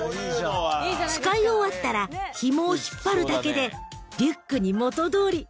［使い終わったらひもを引っ張るだけでリュックに元どおり。